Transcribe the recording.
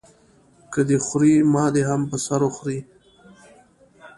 که دی خوري ما دې هم په سر وخوري.